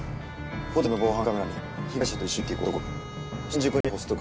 ホテルの防犯カメラに被害者と一緒に入っていく男が。